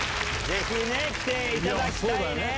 ぜひね、来ていただきたいね。